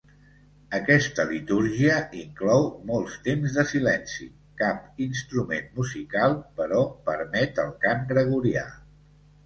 Aquesta litúrgia inclou molts temps de silenci, cap instrument musical, però permet el cant gregorià.